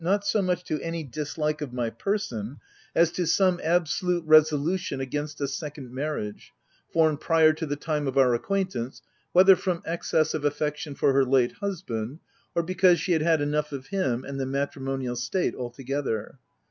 not so much to any dislike of 142 THE TENANT my person, as to some absolute resolution against a second marriage formed prior to the time of our acquaintance, whether from excess of affec tion for her late husband, or because she had had enough of him and the matrimonial state together.